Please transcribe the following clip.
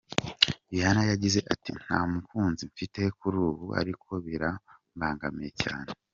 Rihanna yagize ati: “ Ntamukunzi mfite kuri ubu, ariko birambangamiye cyane.